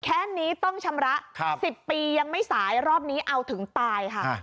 แค่นี้ต้องชำระ๑๐ปียังไม่สายรอบนี้เอาถึงตายค่ะ